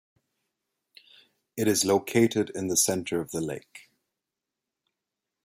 It is located in the center of the lake.